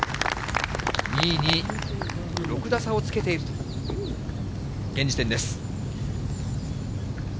２位に６打差をつけているという現時点です。